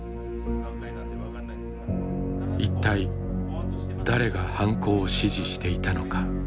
一体誰が犯行を指示していたのか。